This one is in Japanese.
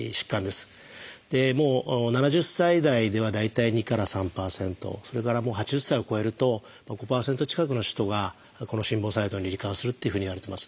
７０歳代では大体２から３％それから８０歳を超えると５％近くの人がこの心房細動に罹患するっていうふうにいわれてます。